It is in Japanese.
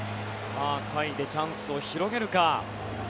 下位でチャンスを広げるか。